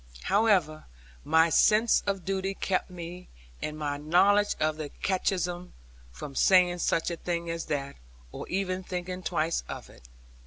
However my sense of duty kept me, and my knowledge of the catechism, from saying such a thing as that, or even thinking twice of it.